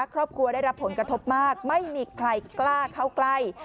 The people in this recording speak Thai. ครอบครัวได้รับผลกระทบมากไม่มีใครกล้าเข้าใกล้